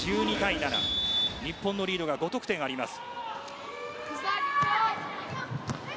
現在１２−７日本のリード５得点あります。